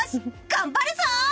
頑張るぞ！